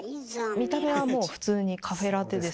見た目はもう普通にカフェラテですよね。